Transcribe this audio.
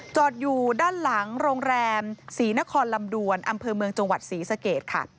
จอดอยู่ด้านหลังโรงแรมศรีนครลำดวนอำเภอเมืองจังหวัดศรีสเกตค่ะ